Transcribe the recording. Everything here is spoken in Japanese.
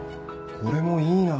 これもいいな。